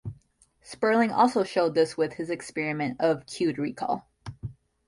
Sperling also showed this with his experiment of cued recall.